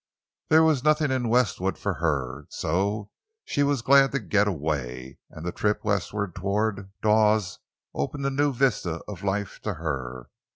There was nothing in Westwood for her; and so she was glad to get away. And the trip westward toward Dawes opened a new vista of life to her.